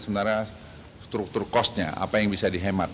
sebenarnya struktur cost nya apa yang bisa dihemat